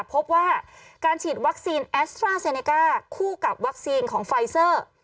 พบว่าการฉีดวัคซีนแอสตราเซเนก้าคู่กับวัคซีนของไฟเซอร์